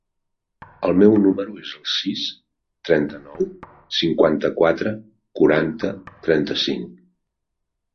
El meu número es el sis, trenta-nou, cinquanta-quatre, quaranta, trenta-cinc.